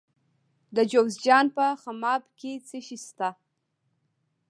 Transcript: د جوزجان په خماب کې څه شی شته؟